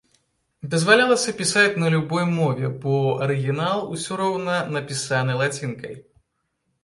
Дазвалялася пісаць на любой мове, бо арыгінал усё роўна напісаны лацінкай.